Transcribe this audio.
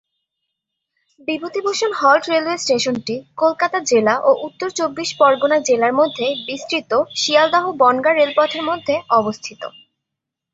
Bibhutibhushan halt railway স্টেশনটি কলকাতা জেলা ও উত্তর চব্বিশ পরগণা জেলার মধ্যে বিস্তৃত শিয়ালদহ বনগাঁ রেলপথের মধ্যে অবস্থিত।